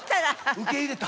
受け入れた。